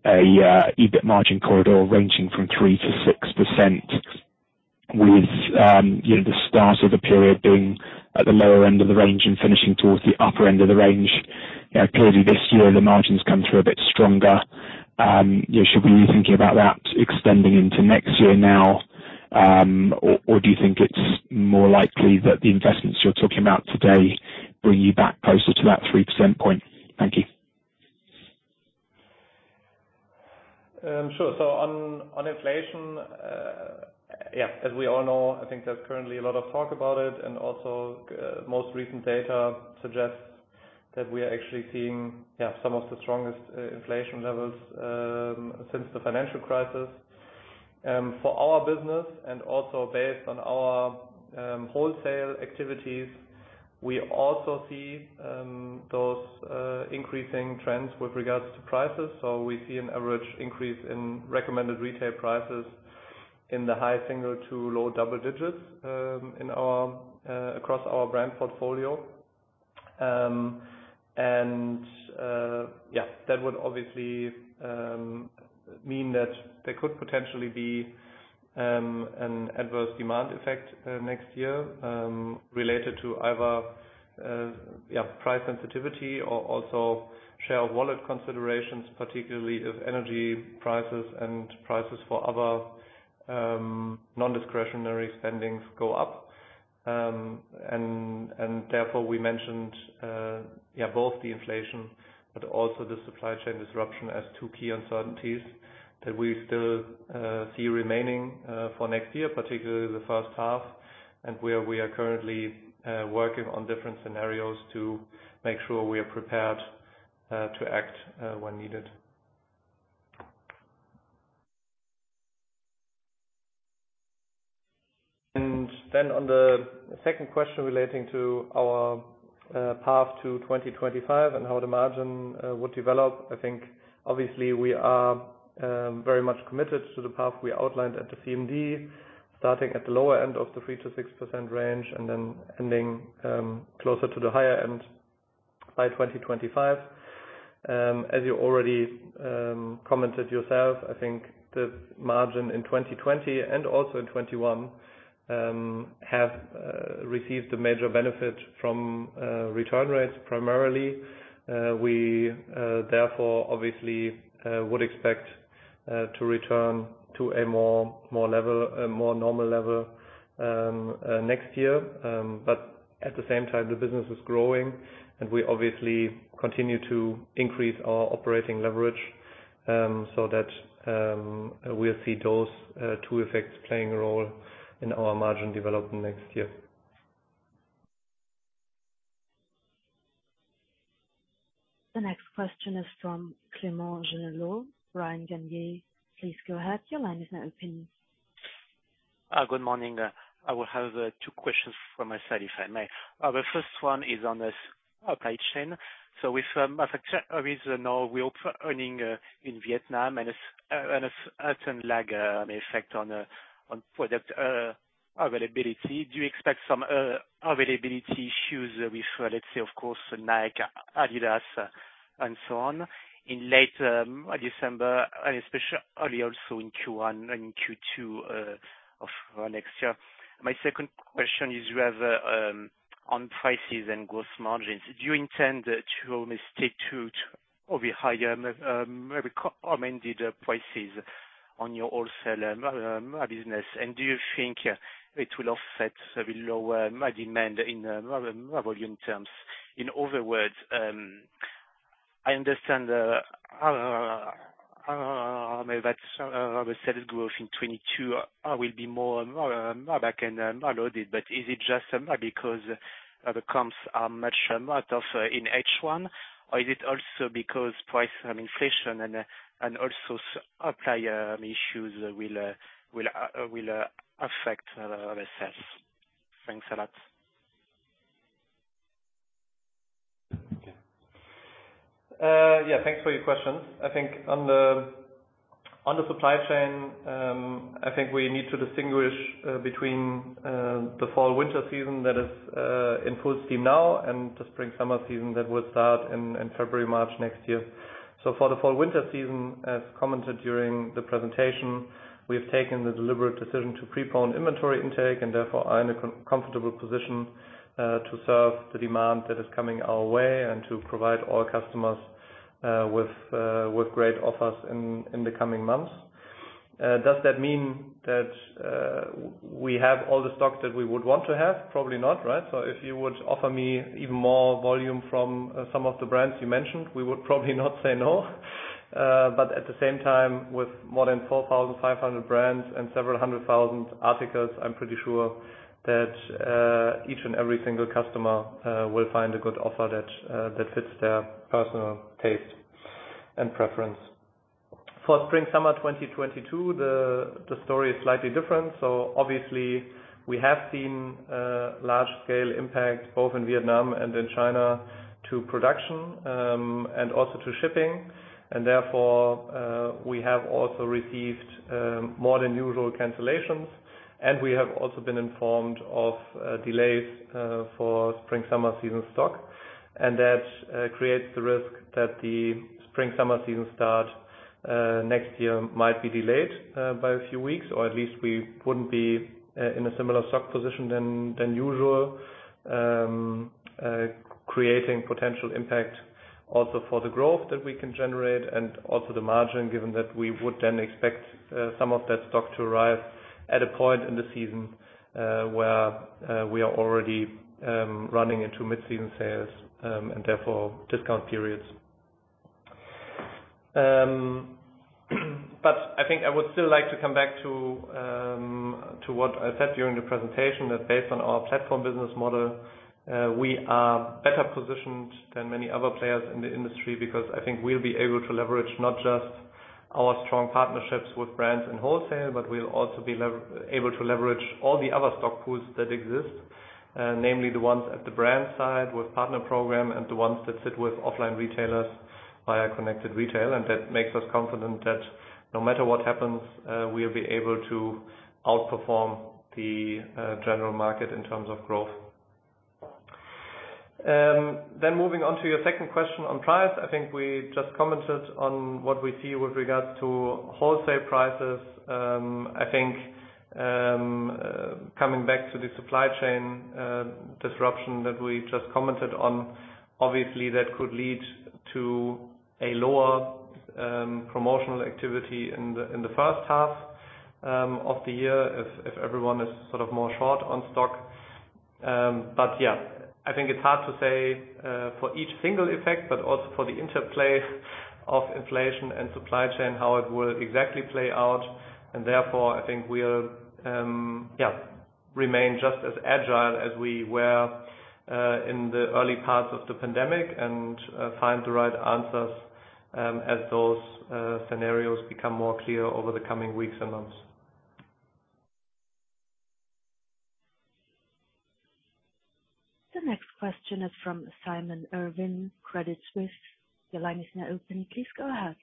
EBIT margin corridor ranging from 3%-6% with, you know, the start of the period being at the lower end of the range and finishing towards the upper end of the range. You know, clearly this year, the margins come through a bit stronger. You know, should we be thinking about that extending into next year now, or do you think it's more likely that the investments you're talking about today bring you back closer to that 3% point? Thank you. Sure. On inflation, as we all know, I think there's currently a lot of talk about it, and also, most recent data suggests that we are actually seeing some of the strongest inflation levels since the financial crisis. For our business and also based on our wholesale activities, we also see those increasing trends with regards to prices. We see an average increase in recommended retail prices in the high single- to low double-digit across our brand portfolio. That would obviously mean that there could potentially be an adverse demand effect next year, related to either price sensitivity or also share-of-wallet considerations, particularly if energy prices and prices for other non-discretionary spendings go up. Therefore we mentioned both the inflation but also the supply chain disruption as two key uncertainties that we still see remaining for next year, particularly the first half, and where we are currently working on different scenarios to make sure we are prepared to act when needed. On the second question relating to our path to 2025 and how the margin would develop, I think obviously we are very much committed to the path we outlined at the CMD, starting at the lower end of the 3%-6% range and then ending closer to the higher end by 2025. As you already commented yourself, I think the margin in 2020 and also in 2021 have received a major benefit from return rates primarily. We therefore obviously would expect to return to a more normal level next year. At the same time, the business is growing, and we obviously continue to increase our operating leverage, so that we'll see those two effects playing a role in our margin development next year. The next question is from Clément Genelot, Bryan Garnier. Please go ahead. Your line is now open. Good morning. I will have two questions from my side, if I may. The first one is on the supply chain. With factories reopening in Vietnam and a certain lag that may affect product availability. Do you expect some availability issues with, let's say, of course, Nike, adidas, and so on in late December and especially early in Q1 and Q2 of next year? My second question is rather on prices and gross margins. Do you intend to stick to the higher recommended prices on your wholesale business? And do you think it will offset the lower demand in volume terms? In other words, I understand how that sales growth in 2022 will be more back-loaded. Is it just because the comps are much easier in H1? Or is it also because price inflation and also supply issues will affect the sales? Thanks a lot. Yeah, thanks for your questions. I think on the supply chain, I think we need to distinguish between the fall/winter season that is in full steam now and the spring/summer season that will start in February, March next year. For the fall/winter season, as commented during the presentation, we have taken the deliberate decision to preponed inventory intake and therefore are in a comfortable position to serve the demand that is coming our way and to provide all customers with great offers in the coming months. Does that mean that we have all the stock that we would want to have? Probably not, right? If you would offer me even more volume from some of the brands you mentioned, we would probably not say no. At the same time, with more than 4,500 brands and several hundred thousand articles, I'm pretty sure that each and every single customer will find a good offer that fits their personal taste and preference. For spring/summer 2022, the story is slightly different. Obviously we have seen large scale impact both in Vietnam and in China to production and also to shipping. Therefore, we have also received more than usual cancellations. We have also been informed of delays for spring/summer season stock. That creates the risk that the spring/summer season start next year might be delayed by a few weeks, or at least we wouldn't be in a similar stock position than usual. Creating potential impact also for the growth that we can generate and also the margin, given that we would then expect some of that stock to arrive at a point in the season where we are already running into mid-season sales and therefore discount periods. I think I would still like to come back to what I said during the presentation, that based on our platform business model, we are better positioned than many other players in the industry because I think we'll be able to leverage not just our strong partnerships with brands and wholesale, but we'll also be able to leverage all the other stock pools that exist, namely the ones at the brand side with Partner Program and the ones that sit with offline retailers via Connected Retail. That makes us confident that no matter what happens, we'll be able to outperform the general market in terms of growth. Moving on to your second question on price. I think we just commented on what we see with regards to wholesale prices. I think coming back to the supply chain disruption that we just commented on, obviously that could lead to a lower promotional activity in the first half of the year if everyone is sort of more short on stock. I think it's hard to say for each single effect, but also for the interplay of inflation and supply chain, how it will exactly play out. Therefore, I think we'll yeah remain just as agile as we were in the early parts of the pandemic and find the right answers as those scenarios become more clear over the coming weeks and months. The next question is from Simon Irwin, Credit Suisse. Your line is now open. Please go ahead.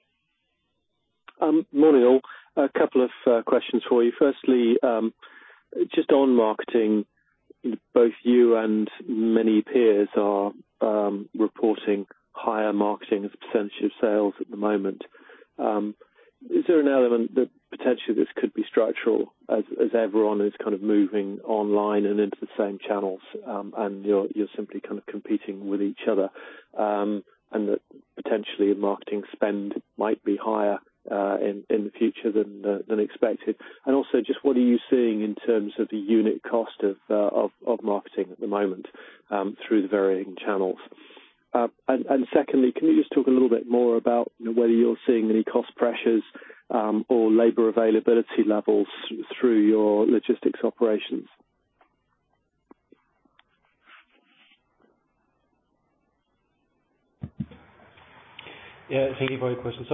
Morning all. A couple of questions for you. Firstly, just on marketing, both you and many peers are reporting higher marketing as a percentage of sales at the moment. Is there an element that potentially this could be structural as everyone is kind of moving online and into the same channels, and you're simply kind of competing with each other, and that potentially marketing spend might be higher in the future than expected? Also, just what are you seeing in terms of the unit cost of marketing at the moment through the varying channels? Secondly, can you just talk a little bit more about whether you're seeing any cost pressures or labor availability levels through your logistics operations? Yeah, thank you for your question.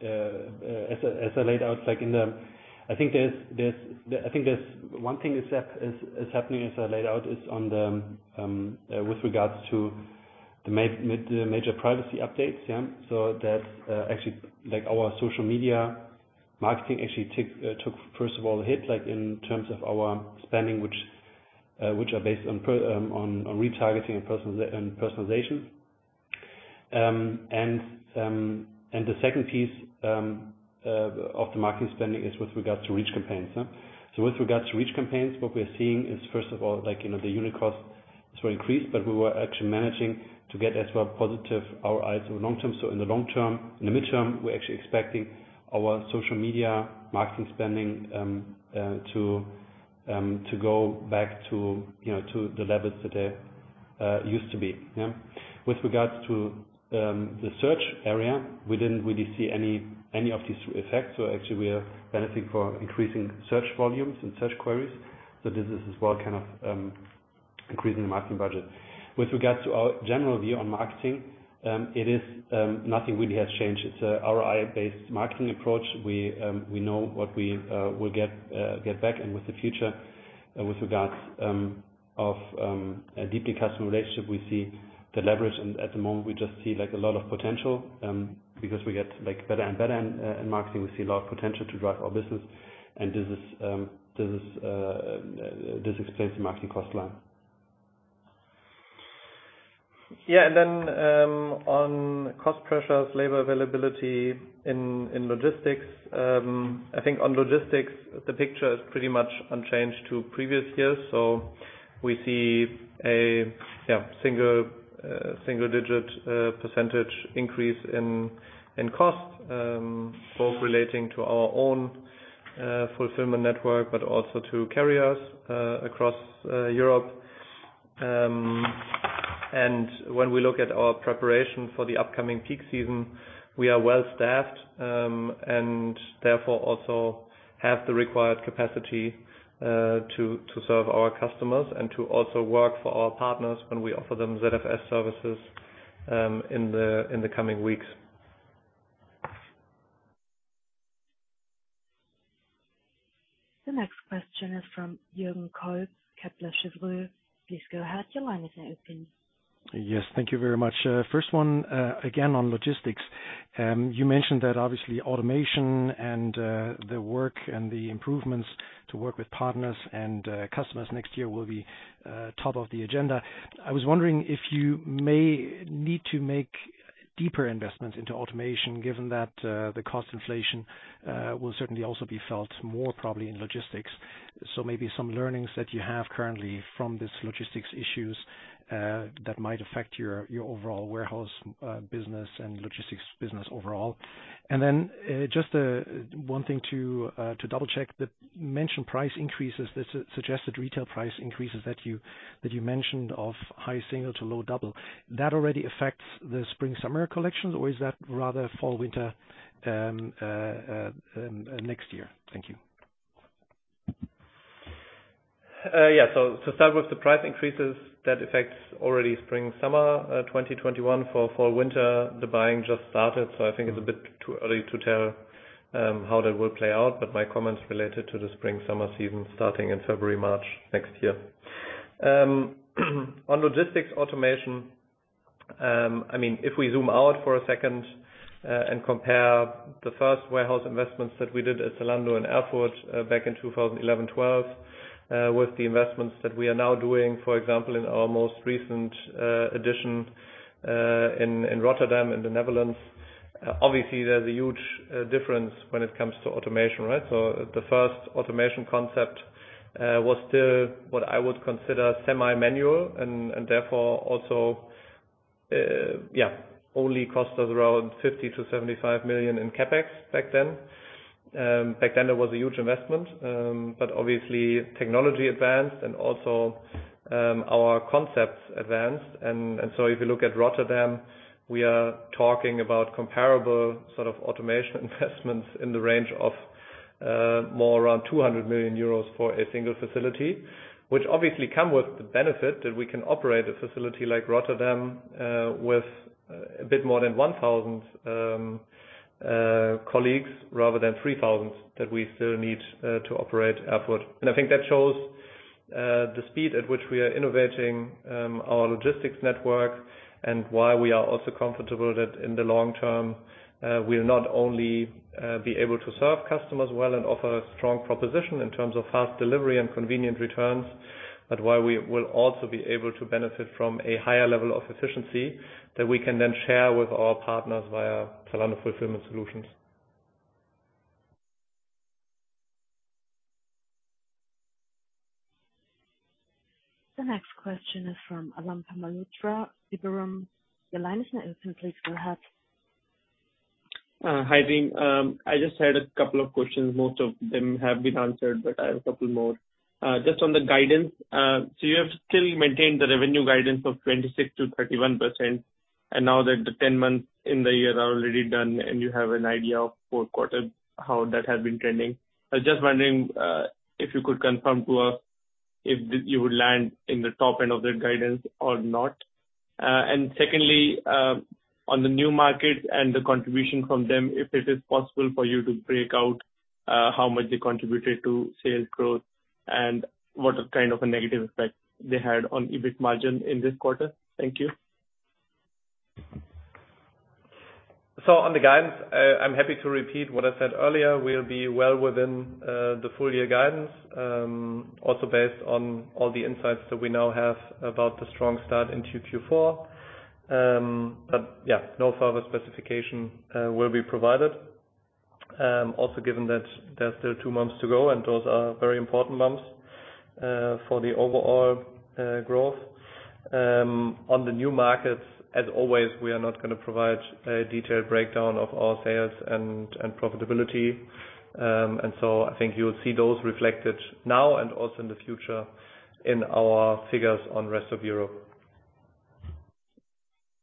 As I laid out, like in the I think there's one thing that's happening, as I laid out, is with regards to the major privacy updates, yeah. That's actually like our social media marketing took first of all hit, like in terms of our spending, which are based on retargeting and personalization. The second piece of the marketing spending is with regards to reach campaigns. With regards to reach campaigns, what we're seeing is, first of all, like, you know, the unit costs were increased, but we were actually managing to get as well positive ROIs over long term. In the long term, in the mid-term, we're actually expecting our social media marketing spending to go back to, you know, to the levels that they used to be. Yeah. With regards to the search area, we didn't really see any of these effects. Actually we are benefiting from increasing search volumes and search queries. This is as well kind of increasing the marketing budget. With regards to our general view on marketing, nothing really has changed. It's a ROI-based marketing approach. We know what we will get back and with regards to a deeper customer relationship, we see the leverage and at the moment we just see like a lot of potential because we get like better and better in marketing. We see a lot of potential to drive our business and this explains the marketing cost line. Yeah. On cost pressures, labor availability in logistics. I think on logistics, the picture is pretty much unchanged to previous years. We see a single-digit % increase in cost, both relating to our own fulfillment network, but also to carriers across Europe. When we look at our preparation for the upcoming peak season, we are well staffed and therefore also have the required capacity to serve our customers and to also work for our partners when we offer them ZFS services in the coming weeks. The next question is from Jürgen Kolb, Kepler Cheuvreux. Please go ahead. Your line is now open. Yes, thank you very much. First one, again, on logistics. You mentioned that obviously automation and the work and the improvements to work with partners and customers next year will be top of the agenda. I was wondering if you may need to make deeper investments into automation, given that the cost inflation will certainly also be felt more probably in logistics. Maybe some learnings that you have currently from these logistics issues that might affect your overall warehouse business and logistics business overall. Just one thing to double-check. The mentioned price increases, the suggested retail price increases that you mentioned of high single-digit to low double-digit, that already affects the spring/summer collections? Or is that rather fall/winter next year? Thank you. To start with the price increases, that affects already spring/summer 2021. For fall/winter, the buying just started, so I think it's a bit too early to tell how that will play out. My comments related to the spring/summer season starting in February, March next year. On logistics automation, I mean, if we zoom out for a second, and compare the first warehouse investments that we did at Zalando in Erfurt back in 2011, 2012, with the investments that we are now doing, for example, in our most recent addition in Rotterdam, in the Netherlands. Obviously, there's a huge difference when it comes to automation, right? The first automation concept was still what I would consider semi-manual and therefore also only cost us around 50 million-75 million in CapEx back then. Back then it was a huge investment. Obviously technology advanced and also our concepts advanced. If you look at Rotterdam, we are talking about comparable sort of automation investments in the range of more around 200 million euros for a single facility, which obviously come with the benefit that we can operate a facility like Rotterdam with a bit more than 1,000 colleagues rather than 3,000 that we still need to operate Erfurt. I think that shows the speed at which we are innovating our logistics network and why we are also comfortable that in the long term we'll not only be able to serve customers well and offer a strong proposition in terms of fast delivery and convenient returns, but why we will also be able to benefit from a higher level of efficiency that we can then share with our partners via Zalando Fulfillment Solutions. The next question is from Anubhav Malhotra, Liberum. Your line is now open. Please go ahead. Hi, team. I just had a couple of questions. Most of them have been answered, but I have a couple more. Just on the guidance. You have still maintained the revenue guidance of 26%-31%, and now that the 10 months in the year are already done and you have an idea of fourth quarter, how that has been trending. I was just wondering if you could confirm to us if you would land in the top end of that guidance or not. Secondly, on the new markets and the contribution from them, if it is possible for you to break out how much they contributed to sales growth and what kind of a negative effect they had on EBIT margin in this quarter. Thank you. On the guidance, I'm happy to repeat what I said earlier. We'll be well within the full year guidance, also based on all the insights that we now have about the strong start into Q4. Yeah, no further specification will be provided, also given that there's still two months to go, and those are very important months for the overall growth. On the new markets, as always, we are not gonna provide a detailed breakdown of our sales and profitability. I think you will see those reflected now and also in the future in our figures on Rest of Europe.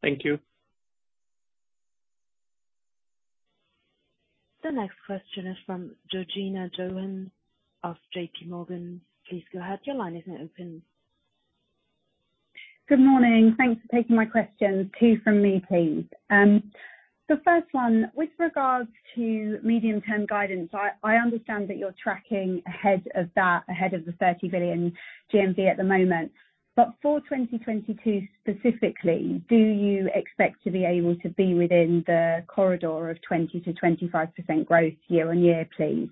Thank you. The next question is from Georgina Johanan of JPMorgan. Please go ahead. Your line is now open. Good morning. Thanks for taking my questions. Two from me, please. The first one, with regards to medium-term guidance, I understand that you're tracking ahead of the 30 billion GMV at the moment. For 2022 specifically, do you expect to be able to be within the corridor of 20%-25% growth year-on-year, please?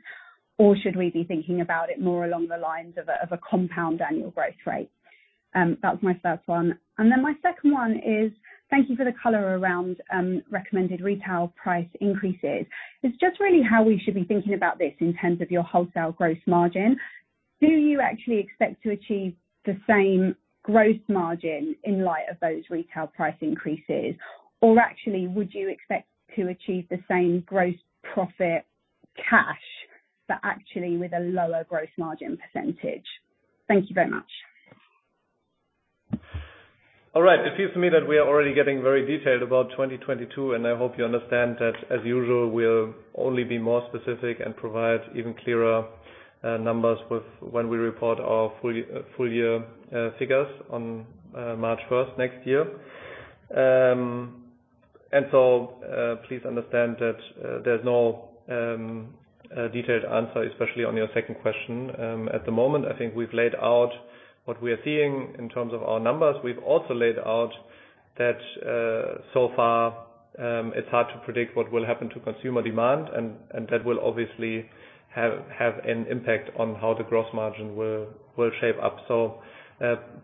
Or should we be thinking about it more along the lines of a compound annual growth rate? That's my first one. My second one is thank you for the color around recommended retail price increases. It's just really how we should be thinking about this in terms of your wholesale gross margin. Do you actually expect to achieve the same gross margin in light of those retail price increases? Actually, would you expect to achieve the same gross profit cash, but actually with a lower gross margin percentage? Thank you very much. All right. It seems to me that we are already getting very detailed about 2022, and I hope you understand that, as usual, we'll only be more specific and provide even clearer numbers when we report our full year figures on March first next year. Please understand that there's no detailed answer, especially on your second question, at the moment. I think we've laid out what we are seeing in terms of our numbers. We've also laid out that so far it's hard to predict what will happen to consumer demand, and that will obviously have an impact on how the gross margin will shape up.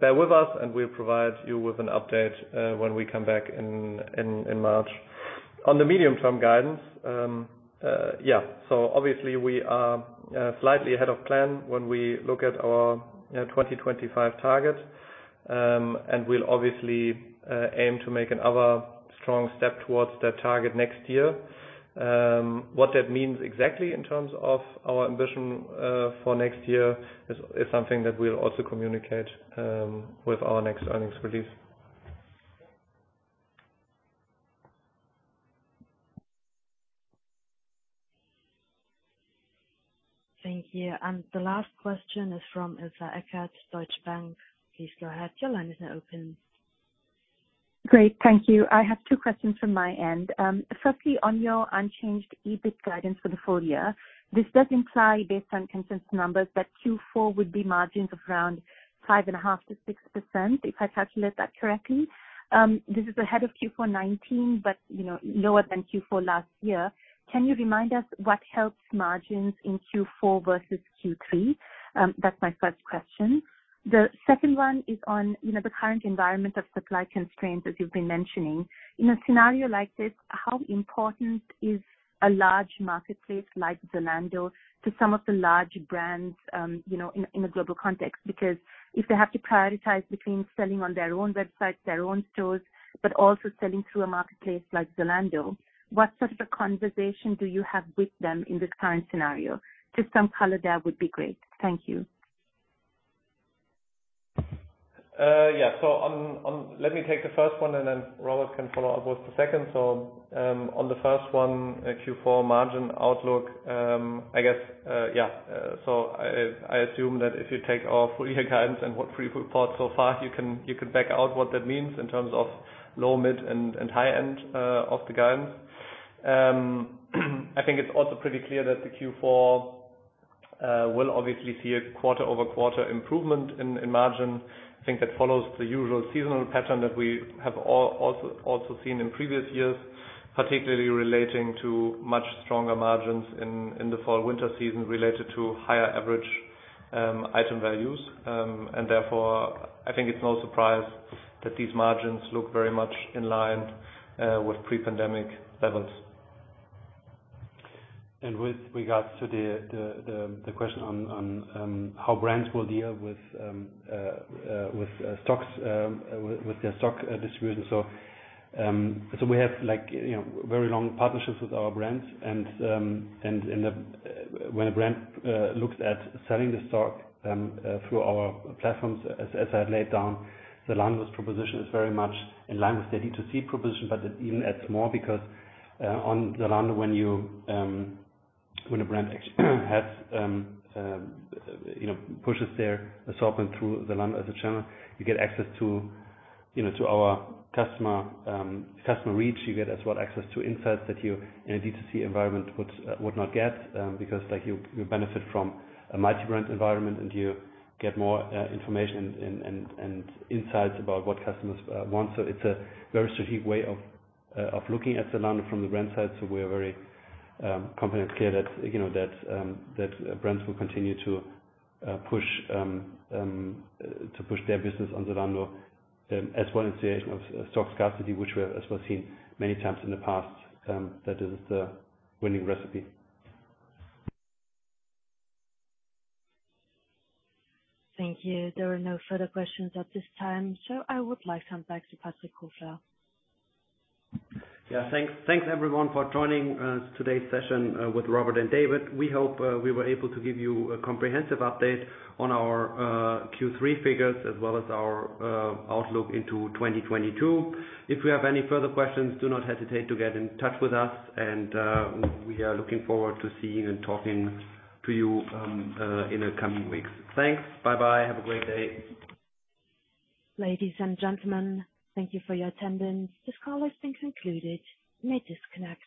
Bear with us, and we'll provide you with an update when we come back in March. On the medium term guidance. Obviously we are slightly ahead of plan when we look at our, you know, 2025 target. We'll obviously aim to make another strong step towards that target next year. What that means exactly in terms of our ambition for next year is something that we'll also communicate with our next earnings release. Thank you. The last question is from Adam Cochrane, Deutsche Bank. Please go ahead. Your line is now open. Great. Thank you. I have two questions from my end. Firstly, on your unchanged EBIT guidance for the full year. This does imply based on consensus numbers that Q4 would be margins of around 5.5%-6%, if I calculate that correctly. This is ahead of Q4 2019, but, you know, lower than Q4 last year. Can you remind us what helps margins in Q4 versus Q3? That's my first question. The second one is on, you know, the current environment of supply constraints, as you've been mentioning. In a scenario like this, how important is a large marketplace like Zalando to some of the large brands, you know, in a global context? Because if they have to prioritize between selling on their own websites, their own stores, but also selling through a marketplace like Zalando, what sort of a conversation do you have with them in this current scenario? Just some color there would be great. Thank you. Yeah. On... Let me take the first one, and then Robert can follow up with the second. On the first one, Q4 margin outlook, I guess, yeah. I assume that if you take our full year guidance and what we've reported so far, you can back out what that means in terms of low, mid, and high end of the guidance. I think it's also pretty clear that the Q4 will obviously see a quarter-over-quarter improvement in margin. I think that follows the usual seasonal pattern that we have also seen in previous years, particularly relating to much stronger margins in the fall/winter season related to higher average item values. I think it's no surprise that these margins look very much in line with pre-pandemic levels. With regards to the question on how brands will deal with stocks with their stock distribution. We have like, you know, very long partnerships with our brands. When a brand looks at selling the stock through our platforms, as I laid down, Zalando's proposition is very much in line with their D2C proposition. It even adds more because on Zalando, when a brand has, you know, pushes their assortment through Zalando as a channel, you get access to, you know, our customer reach. You get as well access to insights that you in a D2C environment would not get. Because like you benefit from a multi-brand environment and you get more information and insights about what customers want. It's a very strategic way of looking at Zalando from the brand side. We are very confident clear that you know that brands will continue to push their business on Zalando as well in creation of stock scarcity, which we have as well seen many times in the past, that is the winning recipe. Thank you. There are no further questions at this time, so I would like to hand back to Patrick Kofler. Yeah. Thanks everyone for joining today's session with Robert and David. We hope we were able to give you a comprehensive update on our Q3 figures as well as our outlook into 2022. If you have any further questions, do not hesitate to get in touch with us. We are looking forward to seeing and talking to you in the coming weeks. Thanks. Bye-bye. Have a great day. Ladies and gentlemen, thank you for your attendance. This call has been concluded. You may disconnect.